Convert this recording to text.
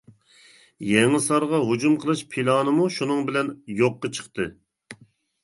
يېڭىسارغا ھۇجۇم قىلىش پىلانىمۇ شۇنىڭ بىلەن يوققا چىقتى.